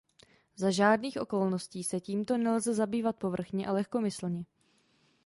Za žádných okolností se tímto nelze zabývat povrchně a lehkomyslně.